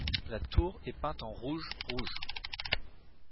La tour est peinte en rouge rouge.